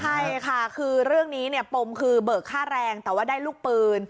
ใช่ค่ะคือเรื่องนี้เนี่ยปมคือเบิกค่าแรงแต่ว่าได้ลูกปืน